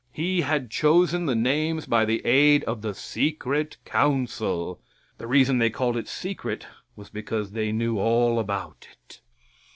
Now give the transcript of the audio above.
He had chosen the names by the aid of the secret council. The reason they called it secret was because they knew all about it.